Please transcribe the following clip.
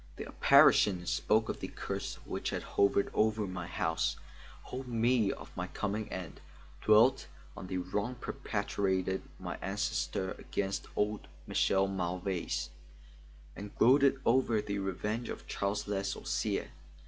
The apparition spoke of the curse which had hovered over my house, told me of my coming end, dwelt on the wrong perpetrated by my ancestor against old Michel Mauvais, and gloated over the revenge of Charles Le Sorcier.